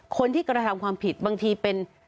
คนที่กระทำความผิดบางทีเป็น